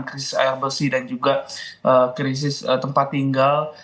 krisis air bersih dan juga krisis tempat tinggal